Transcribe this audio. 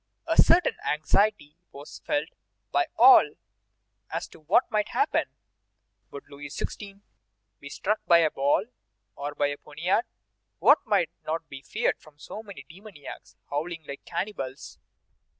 A certain anxiety was felt by all as to what might happen. Would Louis XVI. be struck by a ball or by a poniard? What might not be feared from so many demoniacs, howling like cannibals?